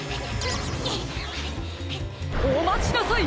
おまちなさい！